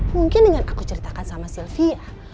mungkin dengan aku ceritakan sama sylvia